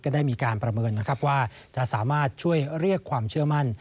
ได้มีการประเมินนะครับว่าจะสามารถช่วยเรียกความเชื่อมั่น